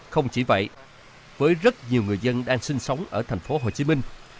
không chỉ vậy với rất nhiều người dân đang sinh sống ở thành phố hồ chí minh